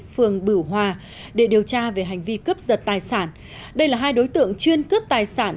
phường bửu hòa để điều tra về hành vi cướp giật tài sản đây là hai đối tượng chuyên cướp tài sản